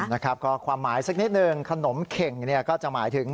นะครับก็ความหมายสักนิดนึงขนมเข่งเนี่ยก็จะหมายถึง